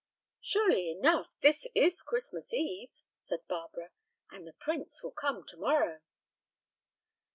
"Surely enough; this is Christmas eve," said Barbara, "and the prince will come tomorrow."